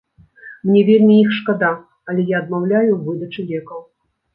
Мне вельмі іх шкада, але я адмаўляю ў выдачы лекаў.